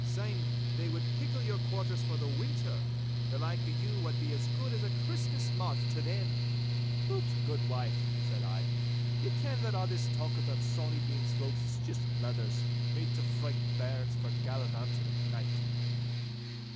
Syne they would pickle your quarters for the winter. The like o' you wad be as guid as a Christmas mart to them.' 'Hoot, good wife,' said I, 'ye ken that a' this talk aboot Sawny Bean's folk is juist blethers—made to fright bairns frae gallivanting at night.